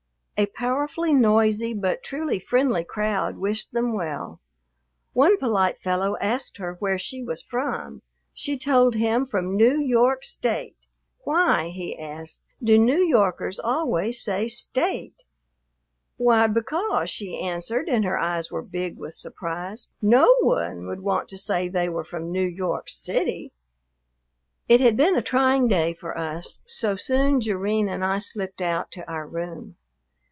A powerfully noisy but truly friendly crowd wished them well. One polite fellow asked her where she was from. She told him from New York State. "Why," he asked, "do New Yorkers always say State?" "Why, because," she answered, and her eyes were big with surprise, "no one would want to say they were from New York City." It had been a trying day for us, so soon Jerrine and I slipped out to our room.